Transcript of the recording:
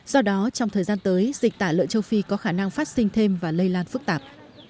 do đó trong thời gian tới dịch tả lợn châu phi có khả năng phát sinh thêm và lây lan phức tạp